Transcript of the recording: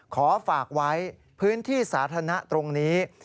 ขอฝากไว้พื้นที่สาธารณะตรงนี้